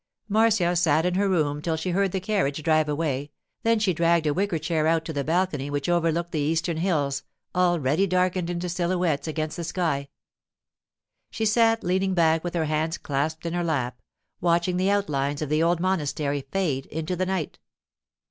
Marcia sat in her room till she heard the carriage drive away, then she dragged a wicker chair out to the balcony which overlooked the eastern hills, already darkened into silhouettes against the sky. She sat leaning back with her hands clasped in her lap, watching the outlines of the old monastery fade into the night.